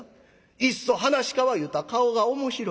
いっそ噺家は言うたら『顔が面白い』。